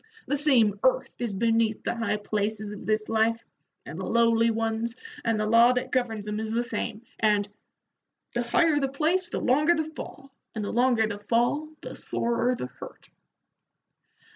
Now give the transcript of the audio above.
The same earth is beneath the high places of this life, and the lowly ones, and the law that governs 'em is the same, and the higher the place the longer the fall, and the longer the fall the sorer the hurt."